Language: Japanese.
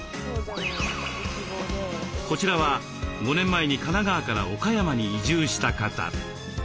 こちらは５年前に神奈川から岡山に移住した方。